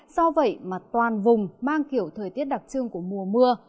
do vậy mà toàn vùng mang kiểu thời tiết đặc trưng của mùa mưa